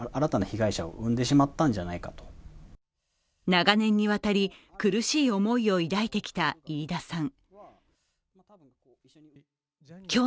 長年にわたり、苦しい思いを抱いてきた飯田さん。